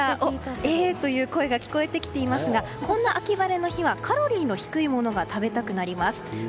えー？という声が聞こえてきていますがこんな秋晴れの日はカロリーの低いものが食べたくなりますよね。